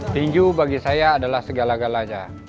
tinju bagi saya adalah segala galanya